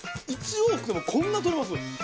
１往復でもこんな取れます。